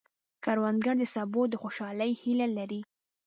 کروندګر د سبو د خوشحالۍ هیله لري